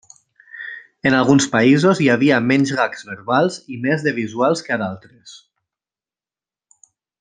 En alguns països hi havia menys gags verbals i més de visuals que a d'altres.